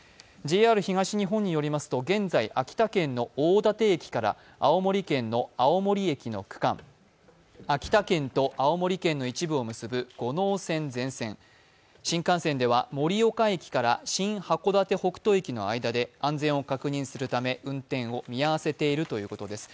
ＪＲ東日本によりますと現在秋田県の大館駅から青森県の青森駅の区間、秋田県と青森県の一部を結ぶ五能線全線、新幹線では盛岡駅から新函館北杜駅の間で安全を確認するため運転を見合わせているということです。